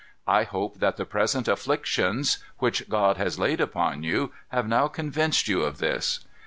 I hope that the present afflictions, which God has laid upon you, have now convinced you of this.